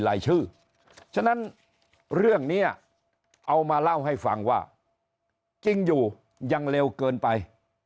ชื่อฉะนั้นเรื่องนี้เอามาเล่าให้ฟังว่าจริงอยู่ยังเร็วเกินไป